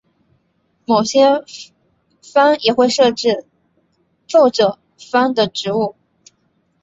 某些藩也会设置奏者番的职务。